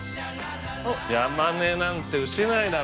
山根なんて打てないだろ？